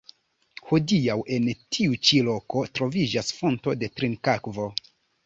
Hodiaŭ en tiu ĉi loko troviĝas fonto de trinkakvo.